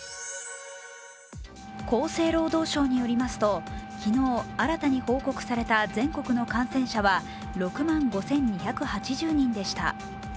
厚生労働省によりますと、昨日、新たに報告された全国の感染者は６万５２８０人でした。